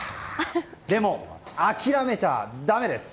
でも、諦めちゃだめです！